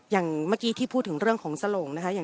อย่างเมื่อกี้ที่พูดถึงเรื่องของสโหลงนะคะ